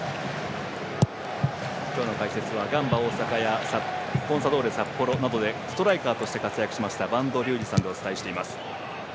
今日の解説はガンバ大阪やコンサドーレ札幌などでストライカーとして活躍された播戸竜二さんでお伝えしています。